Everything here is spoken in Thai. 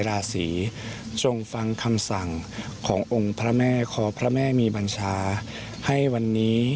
ราศีทรงฟังคำสั่งขององค์พระแม่ขอพระแม่มีบัญชาให้วันนี้